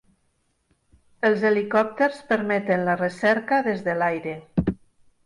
Els helicòpters permeten la recerca des de l'aire.